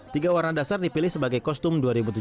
tiga warna dasar dipilih sebagai kostum dua ribu tujuh belas